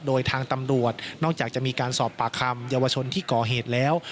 โดยทางตำรวจนอกจากจะมีการสอบปากคำเยาวชนที่ก่อเหตุแล้ว